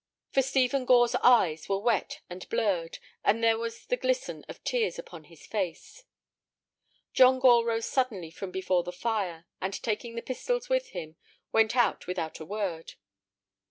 For Stephen Gore's eyes were wet and blurred, and there was the glisten of tears upon his face. John Gore rose suddenly from before the fire, and, taking his pistols with him, went out without a word.